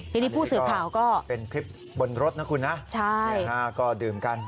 ทีนี้ผู้สื่อข่าวก็เป็นคลิปบนรถนะคุณนะก็ดื่มกัน